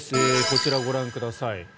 こちらご覧ください。